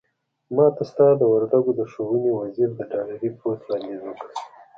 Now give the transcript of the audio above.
ماته ستا د وردګو د ښوونې وزير د ډالري پست وړانديز وکړ.